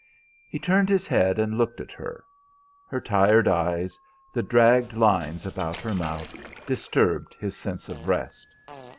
He turned his head and looked at her; her tired eyes, the dragged lines about her mouth, disturbed his sense of rest.